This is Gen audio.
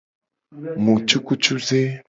Mu cukucuze.